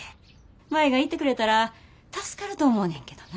舞が行ってくれたら助かると思うねんけどな。